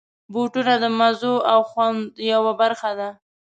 بوټونه د مزو او خوند یوه برخه ده.